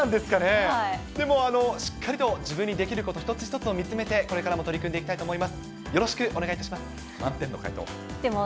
でもしっかりと自分にできること一つ一つを見つめて、これからも取り組んでいきたいと思います。